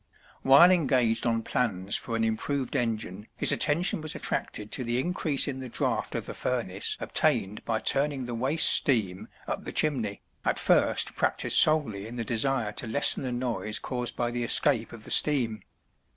While engaged on plans for an improved engine his attention was attracted to the increase in the draught of the furnace obtained by turning the waste steam up the chimney, at first practiced solely in the desire to lessen the noise caused by the escape of the steam.